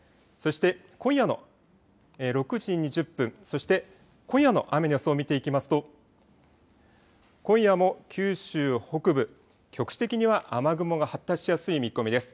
そして今夜の６時２０分、そして今夜の雨の予想を見ていきますと今夜も九州北部、局地的には雨雲が発達しやすい見込みです。